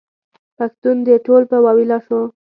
پښتون دې ټول په واویلا شو.